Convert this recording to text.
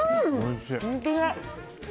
本当だ。